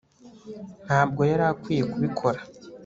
ntabwo yari akwiye kubikora